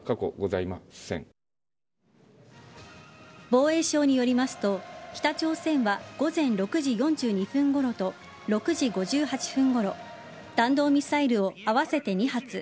防衛省によりますと北朝鮮は午前６時４２分ごろと６時５８分ごろ弾道ミサイルを合わせて２発